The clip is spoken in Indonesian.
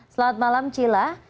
selamat malam cila